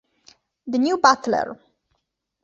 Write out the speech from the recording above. The New Butler